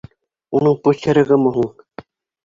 Уның почергымы һуң?